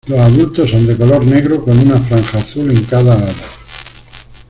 Los adultos son de color negro con una franja azul en cada ala.